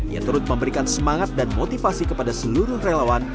yang turut memberikan semangat dan motivasi kepada seluruh relawan